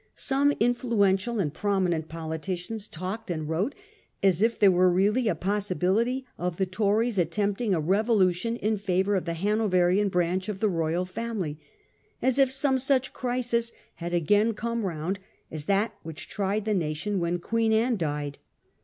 Some influential and prominent politicians talked and wrote as if there were really a possibility of the Tories attempting a revolution in favour of the Hanoverian branch of the royal family ; as if some such crisis had again come round as that which tried the nation when Queen Anne died.